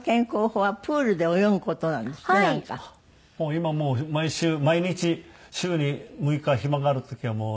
今もう毎週毎日週に６日暇がある時は行っていますね。